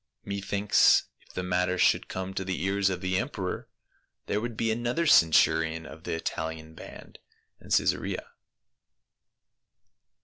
Methinks if the matter should come to the cars of the emperor there would be another centurion of the Italian band in Caesarea."